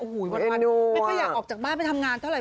ไม่ค่อยอยากออกจากบ้านไปทำงานเท่าไห